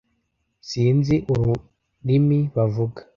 sinzi ururimi bavuga